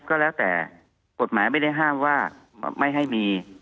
ก็แล้วแต่กฎหมายไม่ได้ห้ามว่าไม่ให้มี